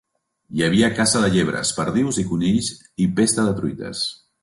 Hi havia caça de llebres, perdius i conills i pesta de truites.